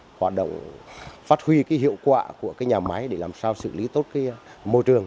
để hoạt động phát huy hiệu quả của nhà máy để làm sao xử lý tốt môi trường